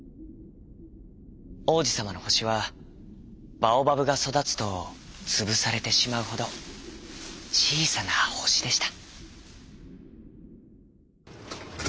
王子さまの星はバオバブがそだつとつぶされてしまうほどちいさな星でした。